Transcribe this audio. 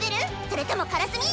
それともカラスミ？